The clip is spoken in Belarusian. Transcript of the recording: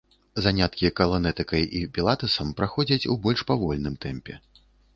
Заняткі каланэтыкай і пілатэсам праходзяць у больш павольным тэмпе.